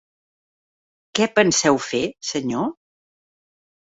Què penseu fer, senyor?